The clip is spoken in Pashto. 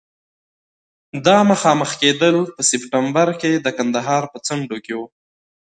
دا مخامخ کېدل د سپټمبر پر د کندهار په څنډو کې وو.